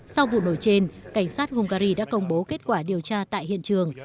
sau vụ nổ trên cảnh sát hungary đã công bố kết quả điều tra tại hiện trường